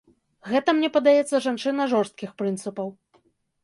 Гэта, мне падаецца, жанчына жорсткіх прынцыпаў.